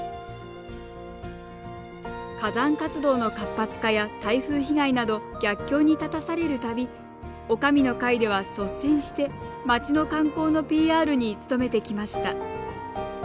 火山活動の活発化や台風被害など逆境に立たされるたびおかみの会では率先して町の観光のＰＲに努めてきました。